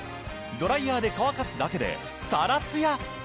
ドライヤーで乾かすだけでサラツヤ！